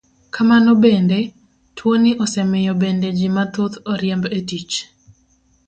Kamano bende, tuoni osemiyo bende ji mathoth oriemb e tich.